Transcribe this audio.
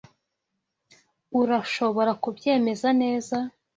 Urashobora kubyemeza neza. .